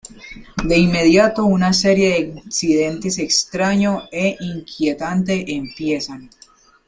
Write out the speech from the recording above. De inmediato una serie de incidentes extraño e inquietante empiezan.